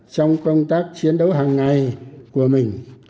trong công tác chiến đấu hàng ngày của mình